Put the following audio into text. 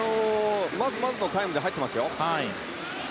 まずまずのタイムで入っていますよ。